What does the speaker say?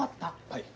はい。